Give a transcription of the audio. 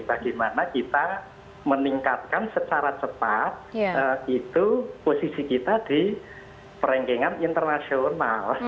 bagaimana kita meningkatkan secara cepat itu posisi kita di perengkingan internasional